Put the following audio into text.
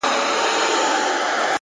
اخلاص د باور تر ټولو قوي بنسټ دی!